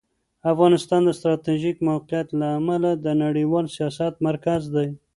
افغانستان د ستراتیژیک موقعیت له امله د نړیوال سیاست مرکز دی.